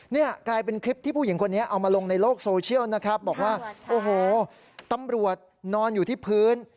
นี่กลายเป็นคลิปที่ผู้หญิงคนนี้เอามาลงในโลกโซเชียลนะครับบอกว่าโอ้โหตำรวจนอนอยู่ที่พื้น